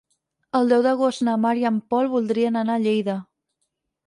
El deu d'agost na Mar i en Pol voldrien anar a Lleida.